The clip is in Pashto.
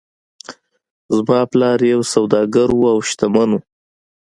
زما پلار یو سوداګر و او شتمن و.